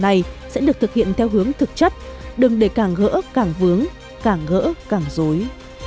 nguyễn hành theo hướng thực chất đừng để càng gỡ càng vướng càng gỡ càng dối